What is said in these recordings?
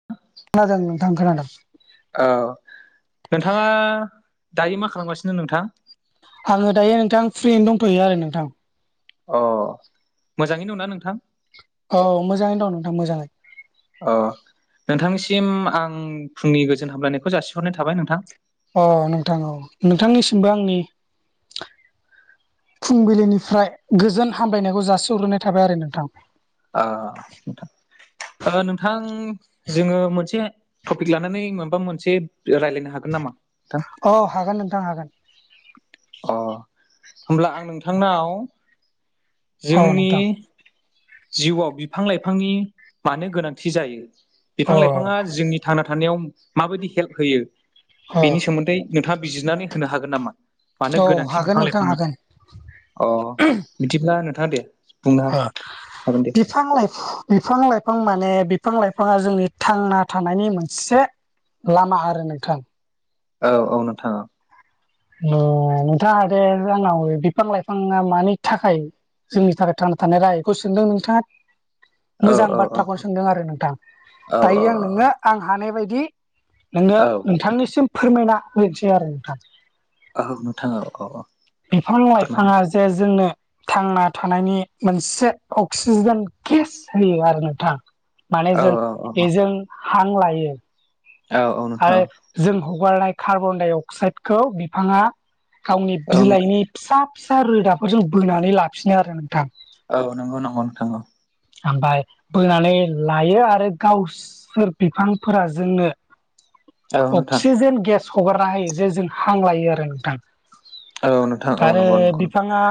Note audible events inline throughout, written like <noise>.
<inaudible> खोनादों नोंथां खोनादों। औ नोंथाङा दायो मा खालामगासिनो नोंथां? आङो दायो नोंथां फ्रियैनो दंथ'यो आरो नोंथां। अ मोजाङैनो दंना नोंथां? औ मोजाङैनो दं नोंथां मोजाङै। औ नोंथांनिसिम आं फुंनि गोजोन हामलायनायखौ जासिहरनाय थाबाय नोंथां। अ नोंथां औ नोंथांनिसिमबो आंनि फुंबिलिनिफ्राय गोजोन हामलायनायखौ जासिहरग्रोनाय थाबाय आरो नोंथां। ओ नोंथां ओ नोंथां जोङो मोनसे टपिक लानानै माबा मोनसे रायज्लायनो हागोन नामा नोंथां? अ हागोन नोंथां हागोन। अ होमब्ला आं नोंथांनाव औ जोंनि नोंथां जिउआव बिफां लाइफांनि मानो गोनांथि जायो अ बिफां लाइफाङा जोंनि थांना थानायाव माबायदि हेल्प होयो अ बेनि सोमोन्दै नोंथाङा बिजिरनानै होनो हागोन नामा? मानो औ गोनांथि हागोन बिफां नोंथां लाइफाङा हागोन अ बिदिब्ला नोंथाङा दे बुंनो हा हागोन दे। बिफां लाइ बिफां लाइफां माने बिफां लाइफाङा जोंनि थांना थानायनि मोनसे लामा आरो नोंथां। औ औ नोंथां औ। ओ नोंथाङ दे आंनाव बिफां लाइफाङा मानि थाखाय जोंनि थाखाय थांना थानाय रायखौ सोंदों नोंथाङा। औ मोजां औ औ बाथ्राखौनो सोंदों आरो नोंथां औ दायो आं नोंनो आं हानाय बायदि नोंनो औ नोंथांनिसिम फोरमायना होनोसै आरो नोंथां। औ नोंथां औ औ औ। बिफां फोरमायनो लाइफाङा जे जोंनो थांना थानायनि मोनसे अक्सिजेन गेस होयो आरो नोंथां। माने औ जों औ औ बेजों हां लायो। औ औ नोंथां आरो जों हगारनाय कार्बन डाइ अक्साइडखौ बिफाङा गावनि औ औ नोंथां बिलाइनि फिसा फिसा रोदाफोरजों बोनानै लाफिनो आरो नोंथां। औ नंगौ नंगौ नोंथां औ। ओमफ्राय बोनानै लायो आरो गाव सोर बिफांफोरा जोंनो औ औ नोंथां अक्सिजेन गेस हगारना होयो जे जों हां लायो आरो नोंथां। औ नोंथां औ आरो नंगौ नंगौ बिफाङा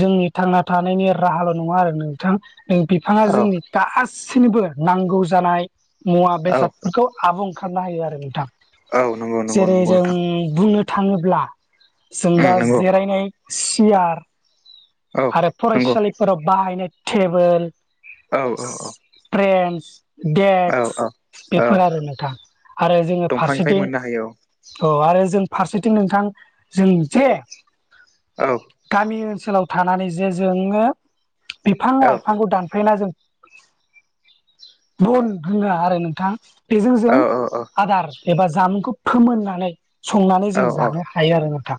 जोंनि थांना थानायनि राहाल' नङा आरो नोंथां बिफाङा औ जोंनि गासै सिनिबो नांगौ जानाय मुवा औ बेसादफोरखौ आबुं खालामना होयो आरो नोंथां। औ नंगौ नंगौ जेरै नंगौ जों नोंथां बुंनो थाङोब्ला जों उम दा नंगौ जिरायनाय सियार औ आरो नंगौ फरायसालिफोराव बाहायनाय टेबोल औ औ औ। ट्रेन्स देक्स औ औ बेफोर आरो नोंथां आरो जोङो दंफांनिफ्राय फारसेथिं मोननो हायो औ आरो जों फारसेथिं नोंथां जों जे औ गामि ओनसोलाव थानानै जे जोङो बिफां औ लाइफांखौ दान फायना जों <unintelligible> रोङा आरो नोंथां। बेजों जों औ औ औ आदार एबा जामुंखौ फोमोननानै संनानै जों औ जानो हायो आरो नोंथां ‌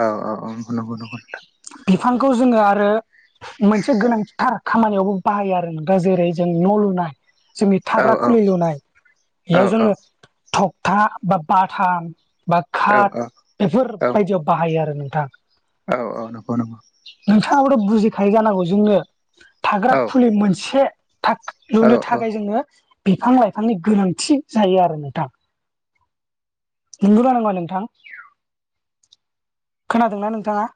औ औ औ नंगौ नंगौ नोंथां। बिफांखौ जोङो आरो मोनसे गोनांथार खामानियावबो बाहायो आरो दा जेरै जों न' लुनाय जोंनि औ थाग्रा औ खुलि लुनाय बेयाव औ जोङो थखथा बा बाथाम बा औ औ खाथ औ औ बेफोरबायदियाव बाहायो आरो नोंथां। औ औ नंगौ नंगौ। नोंथाङाबोथ' बुजिखायो जानांगौ जोंनो थाग्रा औ खुलि मोनसे <unintelligible> औ लुनो औ थाखाय जोंनो बिफां लाइफांनि गोनांथि जायो आरो नोंथां। नोंगौ ना नोंङा नोंथां? खोनादोंना नोंथाङा?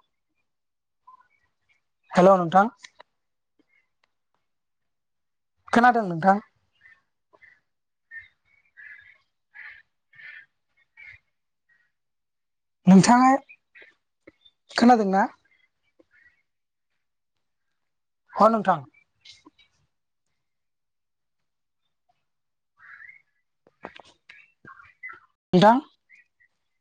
हेल' नोंथां। खोनादों नोंथां? नोंथाङा खोनादों ना? ह नोंथां <unintelligible> नोंथां